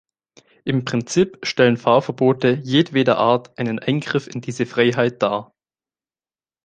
Im Prinzip stellen Fahrverbote jedweder Art einen Eingriff in diese Freiheit dar.